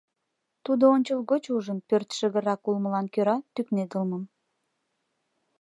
Тудо ончылгоч ужын пӧрт шыгыррак улмылан кӧра тӱкнедылмым.